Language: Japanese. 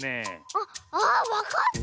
あっああっわかった！